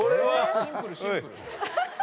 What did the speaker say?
はい。